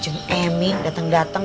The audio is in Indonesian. jeng emi dateng dateng